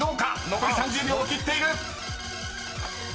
残り３０秒を切っている］